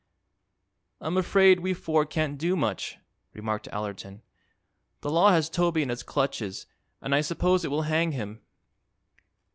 "I'm afraid we four can't do much," remarked Allerton. "The law has Toby in its clutches and I suppose it will hang him."